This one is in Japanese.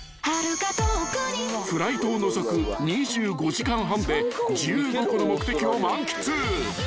［フライトを除く２５時間半で１５個の目的を満喫］